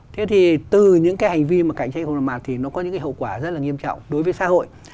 thế thì từ những cái hành vi mà cạnh tranh không làm mặt thì nó có những cái hậu quả rất là nghiêm trọng đối với xã hội